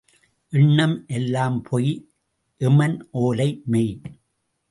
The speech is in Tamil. எண்ணம் எல்லாம் பொய் எமன் ஓலை மெய்.